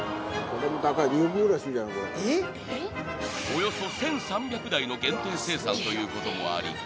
［およそ１，３００台の限定生産ということもあり